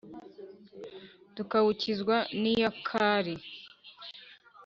tukawukizwa n'iyakare.